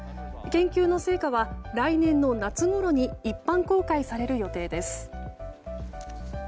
研究の成果は来年の夏ごろに一般公開される予定です。